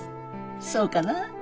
そうかな？